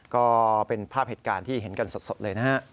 ก็เป็นภาพเหตุการณ์ที่เห็นกันสดเลยนะฮะ